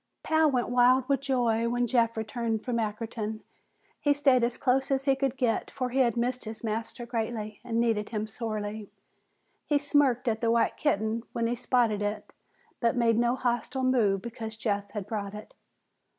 Pal went wild with joy when Jeff returned from Ackerton. He stayed as close as he could get, for he had missed his master greatly and needed him sorely. He smirked at the white kitten when he spotted it, but made no hostile move because Jeff had brought it.